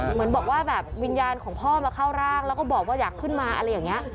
เหมือนบอกว่าแบบวิญญาณของพ่อมาเข้าร่างแล้วก็บอกว่าอยากขึ้นมาอะไรอย่างนี้